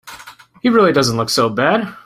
He really doesn't look so bad.